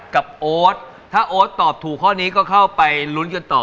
โอ๊ตถ้าโอ๊ตตอบถูกข้อนี้ก็เข้าไปลุ้นกันต่อ